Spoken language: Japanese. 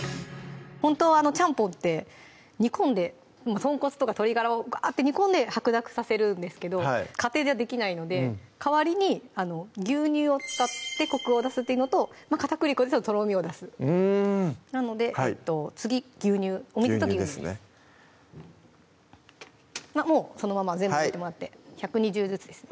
本当はちゃんぽんって煮込んで豚骨とか鶏ガラをガーッて煮込んで白濁させるんですけど家庭ではできないので代わりに牛乳を使ってコクを出すっていうのと片栗粉でとろみを出すなので次お水と牛乳ですもうそのまま全部入れてもらって１２０ずつです